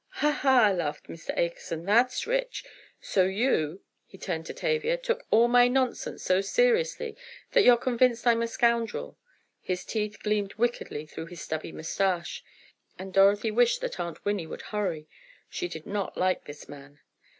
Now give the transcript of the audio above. "Ha! Ha!" laughed Mr. Akerson, "that's rich! So you," he turned to Tavia, "took all my nonsense so seriously that you're convinced I'm a scoundrel." His teeth gleamed wickedly through his stubby mustache, and Dorothy wished that Aunt Winnie would hurry. She did not like this man.